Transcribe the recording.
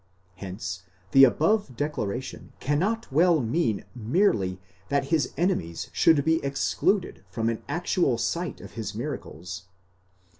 Hence the above declaration cannot well mean merely that his enemies should be excluded from an actual sight of his miracles.